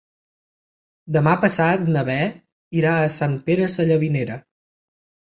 Demà passat na Beth irà a Sant Pere Sallavinera.